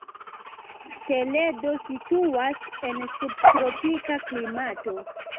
Toledo situas en subtropika klimato.